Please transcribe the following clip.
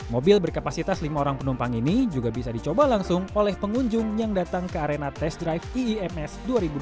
mobil berkapasitas lima orang penumpang ini juga bisa dicoba langsung oleh pengunjung yang datang ke arena test drive iims dua ribu dua puluh